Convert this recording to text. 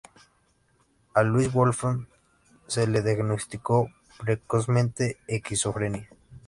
A Louis Wolfson se le diagnosticó precozmente esquizofrenia.